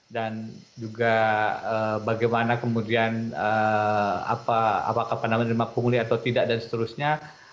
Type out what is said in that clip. dan juga bagaimana kemudian apakah penerima pemuli atau tidak dan seterusnya